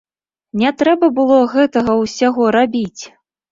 Не трэба было гэтага ўсяго рабіць!